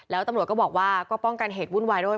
แล้วตำรวจก็บอกว่าก็ป้องกันเหตุวุ่นวายด้วย